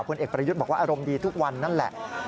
เอกประยุทธ์บอกว่าอารมณ์ดีทุกวันนั่นแหละ